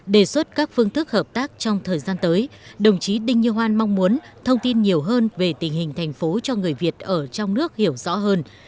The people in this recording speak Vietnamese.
đề xuất các phương thức hợp tác trong thời gian tới đồng chí đinh như hoan mong muốn thông tin nhiều hơn về tình hình thành phố cho người việt ở trong nước hiểu rõ hơn